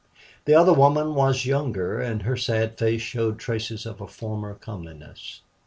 The other woman was younger, and her sad face showed traces of a former comeliness.